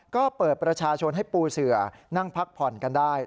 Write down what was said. ก็เปิดประชาชนให้ปูเสือนั่งพักผ่อนกันได้